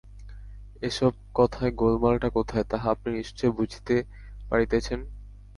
এইসব কথায় গোলমালটা কোথায়, তাহা আপনারা নিশ্চয় বুঝিতে পারিতেছেন।